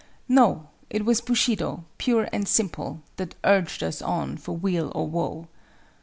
No, it was Bushido, pure and simple, that urged us on for weal or woe.